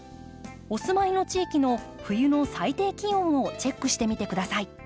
お住まいの地域の冬の最低気温をチェックしてみて下さい。